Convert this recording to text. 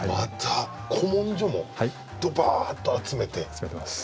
集めてます。